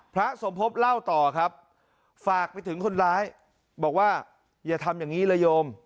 พระสมภพเล่าต่อครับฝากไปถึงคนร้ายบอกว่าอย่าทำอย่างนี้เลยโยม